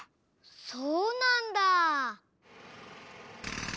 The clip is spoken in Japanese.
そうなんだ。